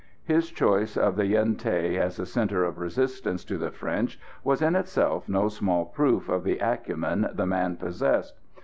His choice of the Yen Thé as a centre of resistance to the French was in itself no small proof of the acumen the man possessed.